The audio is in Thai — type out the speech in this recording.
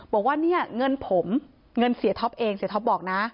บอกว่าเนี่ยเงินผมเงินเสียท็อปเองเสียท็อปบอกนะ